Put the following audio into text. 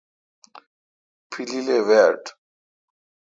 پلیل اے وہ اٹھ۔